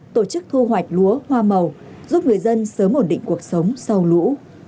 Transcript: tổ chức thu hoạch lúa hoa màu giúp người dân sớm ổn định cuộc sống sau lũ